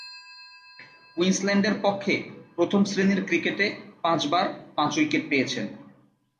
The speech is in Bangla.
কুইন্সল্যান্ডের পক্ষে প্রথম-শ্রেণীর ক্রিকেটে পাঁচবার পাঁচ-উইকেট পেয়েছেন।